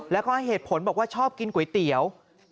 แล้วก็ให้เหตุผลบอกว่าชอบกินก๋วยเตี๋ยว